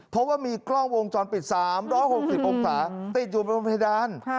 เพราะว่ามีกล้องวงจรปิด๓๖๐องศาติดอยู่บนเพดาน